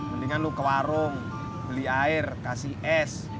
mendingan lu ke warung beli air kasih es